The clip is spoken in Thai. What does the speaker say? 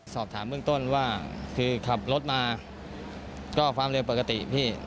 สอบถามเบื้องต้นว่าคือขับรถมาก็ความเร็วปกติพี่